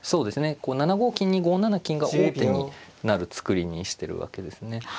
こう７五金に５七金が王手になる作りにしてるわけですね。